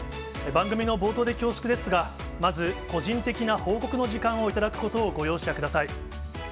番組の冒頭で恐縮ですが、まず、個人的な報告の時間を頂くことをご容赦ください。